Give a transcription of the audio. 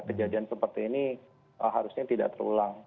kejadian seperti ini harusnya tidak terulang